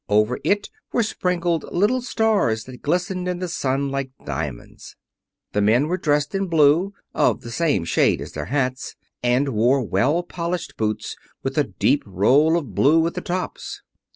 Over it were sprinkled little stars that glistened in the sun like diamonds. The men were dressed in blue, of the same shade as their hats, and wore well polished boots with a deep roll of blue at the tops.